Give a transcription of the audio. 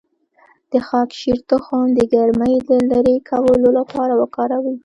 د خاکشیر تخم د ګرمۍ د لرې کولو لپاره وکاروئ